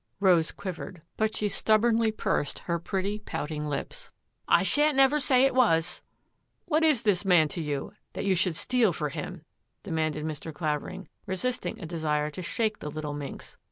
Rose quivered, but she stubbornly pursed her pretty, pouting lips. " I shan't never say it was !"" What is this man to you that you should steal for him? " demanded Mr. Clavering, resisting a desire to shake the little minx.